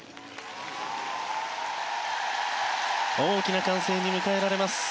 大きな歓声に迎えられます。